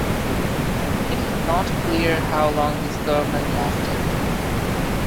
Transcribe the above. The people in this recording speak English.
It is not clear how long this government lasted.